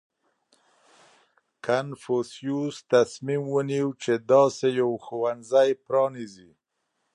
• کنفوسیوس تصمیم ونیو، چې داسې یو ښوونځی پرانېزي.